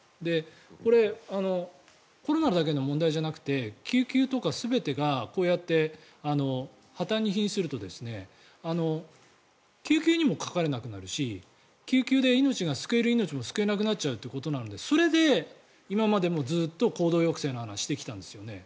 これ、コロナだけの問題だけじゃなくて救急とか全てがこうやって破たんにひんすると救急にもかかれなくなるし救急で救える命も救えなくなっちゃうということなのでそれで今までもずっと行動抑制の話をしてきたんですよね。